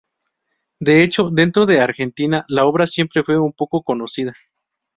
De hecho, dentro de Argentina, la obra siempre fue poco conocida.